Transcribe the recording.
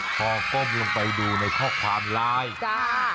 พอก้มลงไปดูในข้อความไลน์จ้า